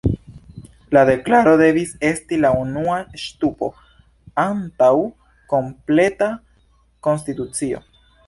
La Deklaro devis esti la unua ŝtupo antaŭ kompleta konstitucio.